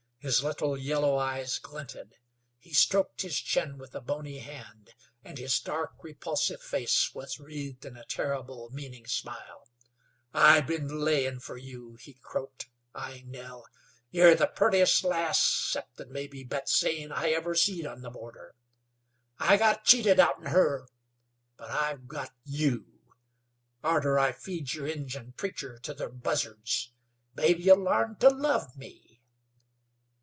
His little, yellow eyes glinted; he stroked his chin with a bony hand, and his dark, repulsive face was wreathed in a terrible, meaning smile. "I've been layin' fer you," he croaked, eyeing Nell. "Ye're the purtiest lass, 'ceptin' mebbe Bet Zane, I ever seed on the border. I got cheated outen her, but I've got you; arter I feed yer Injun preacher to ther buzzards mebbe ye'll larn to love me."